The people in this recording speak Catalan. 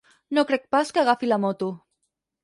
No crec pas que agafi la moto.